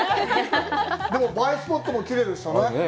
でも映えスポットもきれいでしたね。